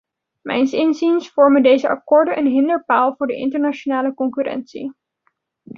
Mijns inziens vormen deze akkoorden een hinderpaal voor de internationale concurrentie.